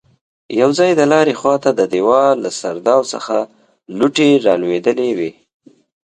يو ځای د لارې خواته د دېوال له سرداو څخه لوټې رالوېدلې وې.